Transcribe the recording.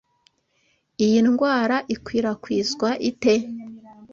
Iyi ndwara ikwirakwizwa ite?